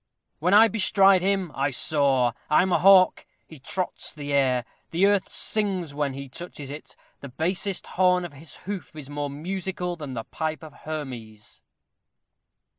When I bestride him, I soar, I am a hawk: he trots the air; the earth sings when he touches it; the basest horn of his hoof is more musical than the pipe of Hermes.